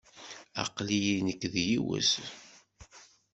Aql-iyi nekk d yiwet.